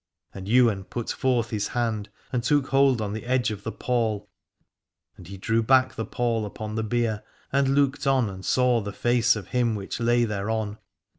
And Ywain put forth his hand and took hold on the edge of the pall, and he drew back the pall upon the bier and looked and saw the face of him which lay thereon.